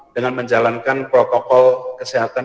dengan menjalankan protokol kesehatan